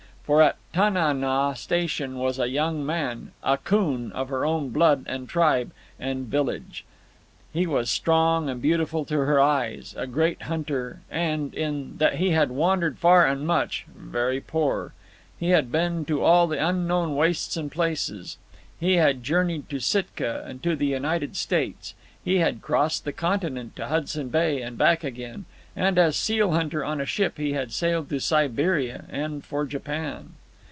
For at Tana naw Station was a young man, Akoon, of her own blood, and tribe, and village. He was strong and beautiful to her eyes, a great hunter, and, in that he had wandered far and much, very poor; he had been to all the unknown wastes and places; he had journeyed to Sitka and to the United States; he had crossed the continent to Hudson Bay and back again, and as seal hunter on a ship he had sailed to Siberia and for Japan.